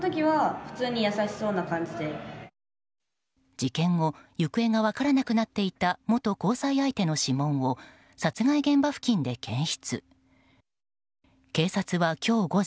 事件後行方が分からなくなっていた元交際相手の指紋を殺害現場付近で検出。